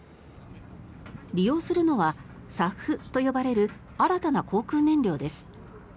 利用するのはＳＡＦと呼ばれる新たな航空燃料です。